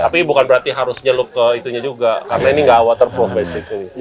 tapi bukan berarti harus nyeluk ke itunya juga karena ini gak waterproof basically